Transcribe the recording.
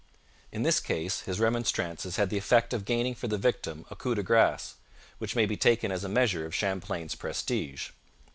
In this case his remonstrances had the effect of gaining for the victim a coup de grace which may be taken as a measure of Champlain's prestige.